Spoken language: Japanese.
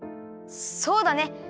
そうだね。